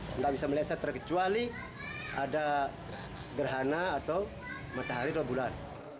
tidak bisa meleset terkecuali ada gerhana atau matahari dua bulan